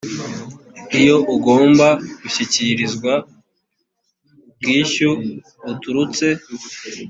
iyo ugomba gushyikirizwa ubwishyu buturutse